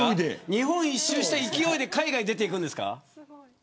日本一周した勢いで海外に出て行くんですか。